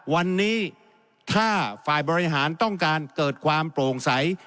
วันนี้ถ้าฝ่ายบริหารต้องการเกิดความโปร่งใส